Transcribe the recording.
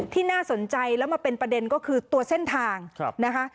น่าสนใจแล้วมาเป็นประเด็นก็คือตัวเส้นทางนะคะ